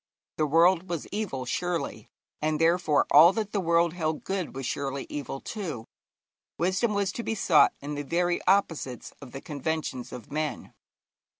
The world was evil, surely, and therefore all that the world held good was surely evil too. Wisdom was to be sought in the very opposites of the conventions of men.